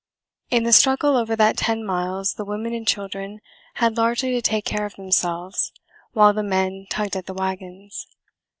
In the struggle over that ten miles the women and children had largely to take care of themselves while the men tugged at the wagons.